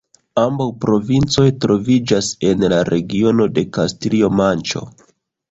Ambaŭ provincoj troviĝas en la regiono de Kastilio-Manĉo.